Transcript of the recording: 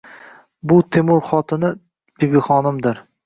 Bu Temur xotini Bibixonimdir